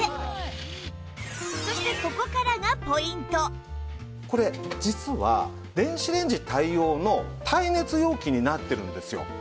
そしてこれ実は電子レンジ対応の耐熱容器になってるんですよ。